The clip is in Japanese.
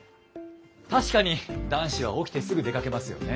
確かに男子は起きてすぐ出かけますよね。